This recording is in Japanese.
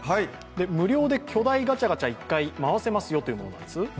無料で巨大ガチャガチャが１回回せますよというものなんです。